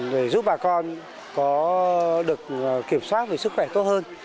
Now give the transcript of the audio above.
để giúp bà con có được kiểm soát về sức khỏe tốt hơn